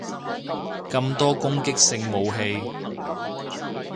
咁多攻擊性武器